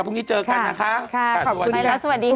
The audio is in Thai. พรุ่งนี้เจอกันนะคะสวัสดีค่ะค่ะสวัสดีค่ะขอบคุณมากสวัสดีค่ะ